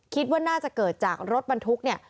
คิดว่าน่าจะเกิดจากรถบรรทุกเนี่ย